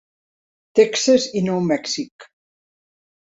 Texas i Nou Mèxic.